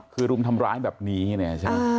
คือรุมทำร้ายแบบนี้เนี่ย